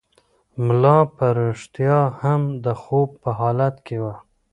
ملا په رښتیا هم د خوب په حالت کې و.